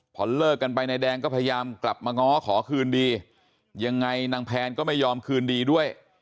พอเลิกกันไปนายแดงก็พยายามกลับมาง้อขอคืนดียังไงนางแพนก็ไม่ยอมคืนดีด้วย